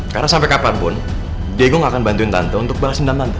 karena sampai kapanpun diego ga akan bantuin tante untuk balasin dam tante